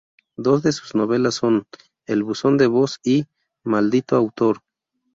Dos de sus novelas son "El buzón de voz" y "Maldito Autor".